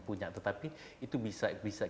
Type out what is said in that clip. punya tetapi itu bisa kita jelaskan